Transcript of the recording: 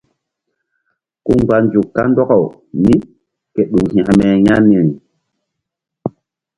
Ku mgba nzuk kandɔkaw mí ke ɗuk hekme ƴah niri.